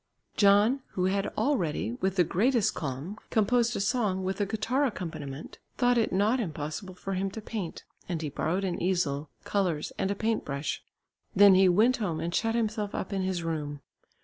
John, who had already, with the greatest calm, composed a song with a guitar accompaniment, thought it not impossible for him to paint, and he borrowed an easel, colours, and a paint brush. Then he went home and shut himself up in his room.